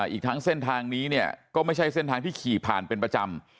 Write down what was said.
อีกทั้งเส้นทางนี้เนี่ยก็ไม่ใช่เส้นทางที่ขี่ผ่านเป็นประจำ